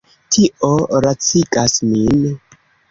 Tio lacigas min.